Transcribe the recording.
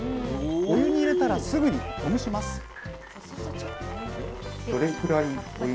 お湯に入れたらすぐにほぐします